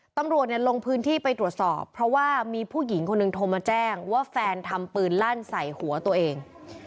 ตำรวจลงพื้นที่ไปตรวจสอบเพราะว่ามีผู้หญิงคนหนึ่งโทรมาแจ้งว่าแฟนทำปืนลั่นใส่หัวตัวเอง